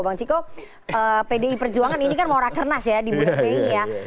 bang ciko pdi perjuangan ini kan mau raker nas ya di budaya ini ya